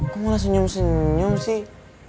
kok mulai senyum senyum sih